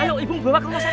ayo ibu bawa ke rumah sakit